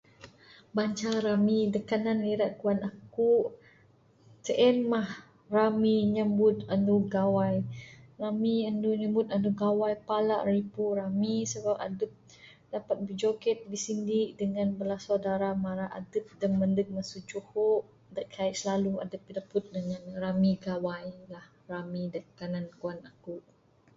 Banca rami da kanan da kuwan akuk, sien mah rami nyambut andu gawai. Rami andu nyambut andu gawai palak ripu rami sebab adup dapat bijoget, bisindi dengan bala saudara mara adup da mandug masu juho' da kaik slalu adup bidapud dengan ne. Rami gawai. Rami da tanan kuwan akuk.